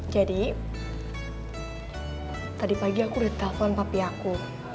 jadi tadi pagi aku udah telepon papi aku